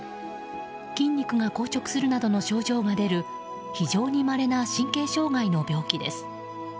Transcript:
筋肉が硬直するなどの症状が出る非常にまれな神経障害の病気です。